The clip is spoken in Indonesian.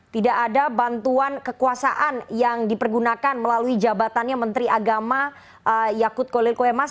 tidak ada bantuan kekuasaan yang dipergunakan melalui jabatannya menteri agama yakut kolil koemas